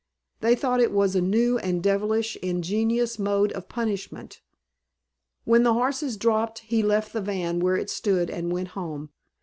They thought it was a new and devilishly ingenious mode of punishment. When the horses dropped he left the van where it stood and went home.